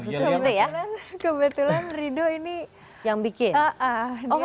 yal yal kebetulan rido ini yang bikin